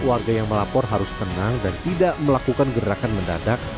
warga yang melapor harus tenang dan tidak melakukan gerakan mendadak